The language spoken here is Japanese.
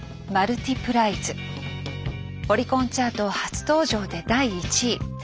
オリコンチャート初登場で第１位。